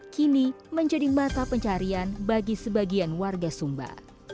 kini menjadi mata pencarian bagi sebagian warga sumba